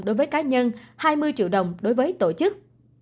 đối với cá nhân hai mươi triệu đồng đối với tổ chức